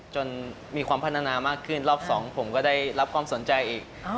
จนมีความพัฒนามากขึ้นรอบสองผมก็ได้รับความสนใจอีก